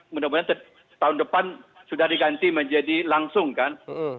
mudah mudahan tahun depan sudah diganti menjadi langsung kan